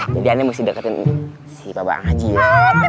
jadi aneh mesti deketin si bapak narji ya